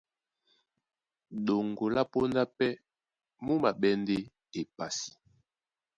Ɗoŋgo lá póndá pɛ́ mú maɓɛ́ ndé epasi.